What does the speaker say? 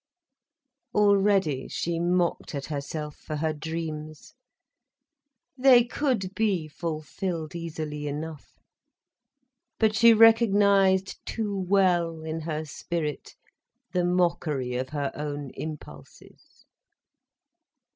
Already she mocked at herself for her dreams. They could be fulfilled easily enough. But she recognised too well, in her spirit, the mockery of her own impulses.